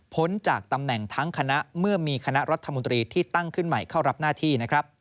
จากตำแหน่งทั้งคณะเมื่อมีคณะรัฐมนตรีที่ตั้งขึ้นใหม่เข้ารับหน้าที่นะครับ